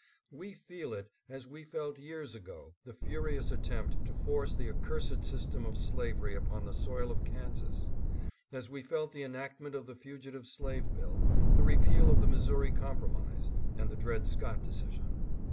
We feel it as we felt years ago the furious attempt to force the accursed system of slavery upon the soil of Kansas ; as we felt the enactment of the Fugitive Slave Bill, the repeal of the Missouri Compromise, and the Dred Scott decision.